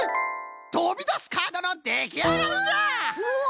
とびだすカードのできあがりじゃ！わ！